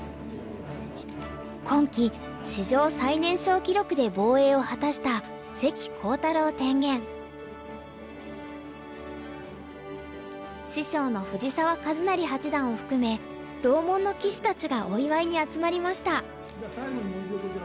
今期史上最年少記録で防衛を果たした師匠の藤澤一就八段を含め同門の棋士たちがお祝いに集まりました。